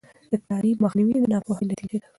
د تعلیم مخنیوی د ناپوهۍ نتیجه ده.